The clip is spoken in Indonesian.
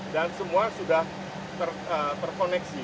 dan semua sudah terkoneksi